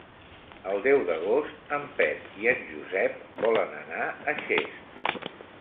El deu d'agost en Pep i en Josep volen anar a Xest.